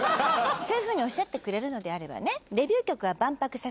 そういうふうにおっしゃってくれるのであればね。